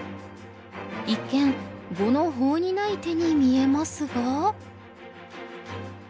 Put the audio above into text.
一見碁の法にない手に見えますが？